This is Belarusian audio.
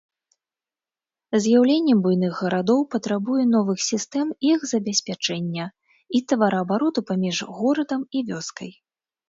З'яўленне буйных гарадоў патрабуе новых сістэм іх забеспячэння і тавараабароту паміж горадам і вёскай.